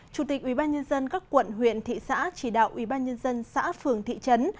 chủ tịch ubnd các quận huyện thị xã chỉ đạo ubnd xã phường thị trấn